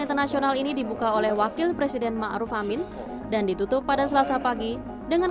internasional ini dibuka oleh wakil presiden ma'ruf amin dan ditutup pada selasa pagi dengan